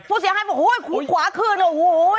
โอ้โฮขวาขึ้นอ่ะโอ้โฮ